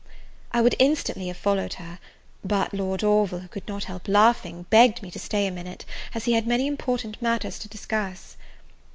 I would instantly have followed her; but Lord Orville, who could not help laughing, begged me to stay a minute, as he had many important matters to discuss.